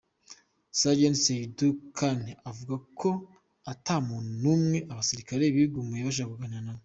Sergeant Seydou Kone avuga ko ata muntu n'umwe abasirikare bigumuye bashaka kuganira nawe.